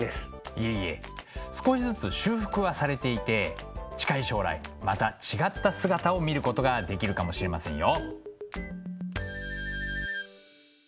いえいえ少しずつ修復はされていて近い将来また違った姿を見ることができるかもしれませんよ。